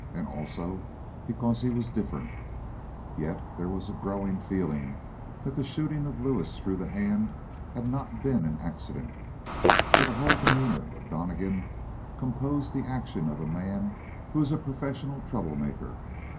And, also, because he was different. Yet there was a growing feeling that the shooting of Lewis through the hand had not been an accident, for the whole demeanor of Donnegan composed the action of a man who is a professional trouble maker.